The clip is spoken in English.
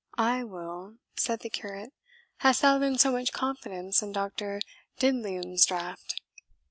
"Ay, Will," said the curate, "hast thou then so much confidence in Doctor Diddleum's draught?"